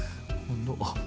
あっ！